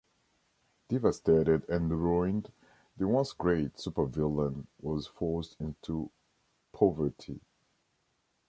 Devastated and ruined, the once-great supervillain was forced into poverty.